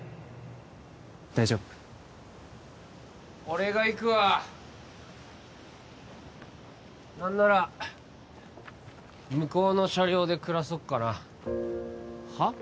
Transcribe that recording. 大丈夫俺が行くわ何なら向こうの車両で暮らそっかなはあ？